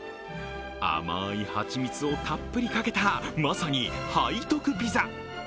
甘い蜂蜜をたっぷりかけた、まさに背徳ピザ。